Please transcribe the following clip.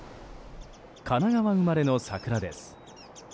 神奈川生まれの桜です。